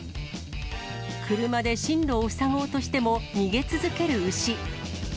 車で進路を塞ごうとしても逃げ続ける牛。